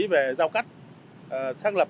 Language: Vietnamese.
về giao cắt